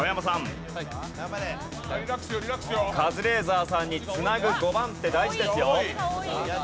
カズレーザーさんに繋ぐ５番手大事ですよ。